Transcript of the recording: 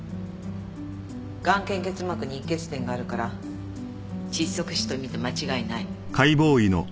眼瞼結膜に溢血点があるから窒息死と見て間違いない。